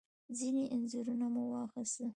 ځینې انځورونه مو واخیستل.